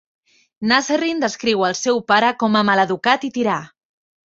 Nasrin descriu el seu pare com a maleducat i tirà.